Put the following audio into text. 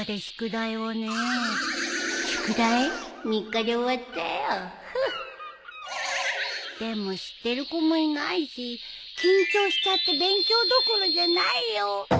３日で終わったよフッでも知ってる子もいないし緊張しちゃって勉強どころじゃないよ。